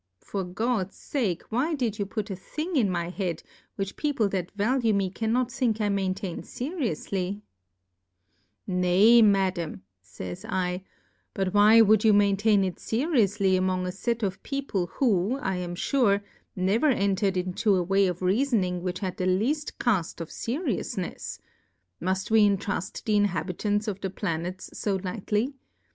For God's ake, why did you put a Thing in my Head, which People that value me cannot think I maintain feriouflyf Nay, Madam, fays 7, but why would you maintain it ferioufly among a fet of People, who, I am fure, never en tered into a way of Reafoning which had the leaftcaft of Serioufnefsf Muft we intruft the Inhabitants of the Pla nets fo highly